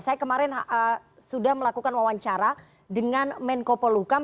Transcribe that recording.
saya kemarin sudah melakukan wawancara dengan menko polukam